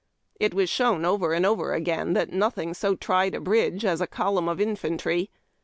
It was shown over and over again that nothing so tried the bridge as a column of infantry.